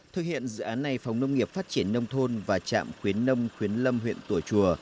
thực hiện dự án này phòng nông nghiệp phát triển nông thôn và trạm khuyến nông khuyến lâm huyện tùa chùa